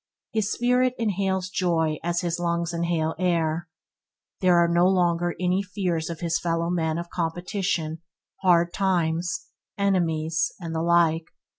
His spirit inhales joy as his lungs inhale air. There are no longer any fears of his fellow men of competition, hard times, enemies, and the like.